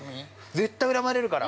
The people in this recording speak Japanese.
絶対恨まれるから。